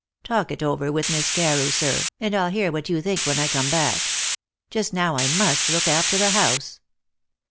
Talk it over with Miss Carew, sir, and I'll hear what you think when I come back. Just now I must look after the house."